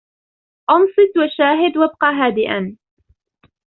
انصت و شاهد وابقى هادئ.